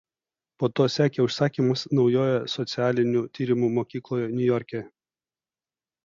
Po to sekė užsakymas Naujojoje Socialinių tyrimų mokykloje Niujorke.